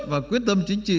và quyết tâm chính trị